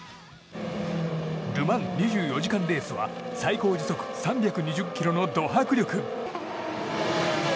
ル・マン２４時間レースは最高時速３２０キロのド迫力。